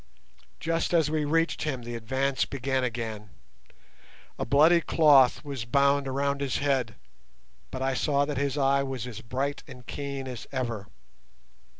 Just as we reached him the advance began again. A bloody cloth was bound around his head, but I saw that his eye was as bright and keen as ever.